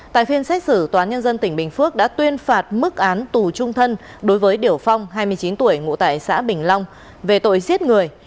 tại phiên xét xử tòa nhân dân tỉnh bình phước đã tuyên phạt mức án tù trung thân đối với điểu phong hai mươi chín tuổi ngụ tại xã bình long về tội giết người